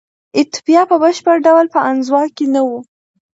ایتوپیا په بشپړ ډول په انزوا کې نه وه.